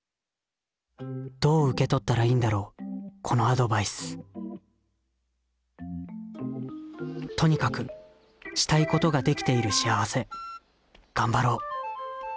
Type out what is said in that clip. どう受け取ったらいいんだろうこのアドバイスとにかくしたいことができている幸せ頑張ろう！